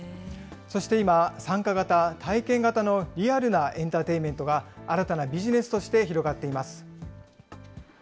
そして今、参加型、体験型のリアルなエンターテインメントが新たなビジネスとして広がっています。